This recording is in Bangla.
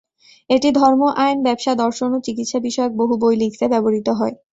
এটি ধর্ম, আইন, ব্যবসা, দর্শন ও চিকিৎসা বিষয়ক বহু বই লিখতে ব্যবহৃত হত।